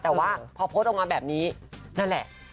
แต่ว่าพอโพสต์ออกมาแบบนี้นั่นแหละ